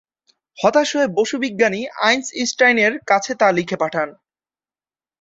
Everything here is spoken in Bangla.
হতাশ হয়ে বসু বিজ্ঞানী আইনস্টাইনের কাছে তা লিখে পাঠান।